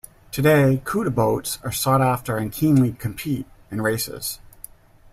Today, couta boats are sought-after and keenly compete in races.